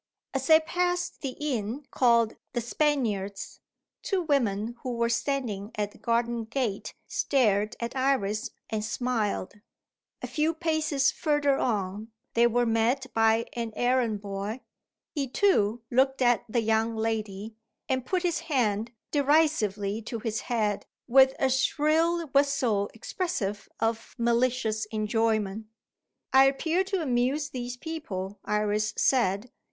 As they passed the inn called "The Spaniards," two women who were standing at the garden gate stared at Iris, and smiled. A few paces further on, they were met by an errand boy. He too looked at the young lady, and put his hand derisively to his head, with a shrill whistle expressive of malicious enjoyment. "I appear to amuse these people," Iris said.